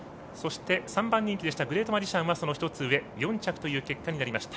３番人気のグレートマジシャンはその１つ上４着という結果になりました。